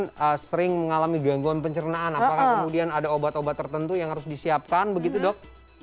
apakah sering mengalami gangguan pencernaan apakah kemudian ada obat obat tertentu yang harus disiapkan begitu dok